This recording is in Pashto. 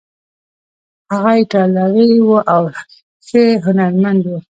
هغه ایټالوی و او ښه هنرمند و.